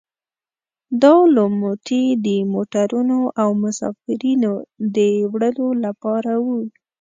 دا لوموتي د موټرونو او مسافرینو د وړلو لپاره وو.